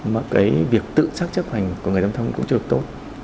mà cái việc tự xác chấp hành của người giao thông cũng chưa được tốt